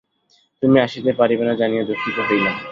তুমি আসিতে পারিবে না জানিয়া দুঃখিত হইলাম।